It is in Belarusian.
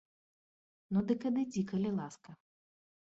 Ну дык адыдзі, калі ласка.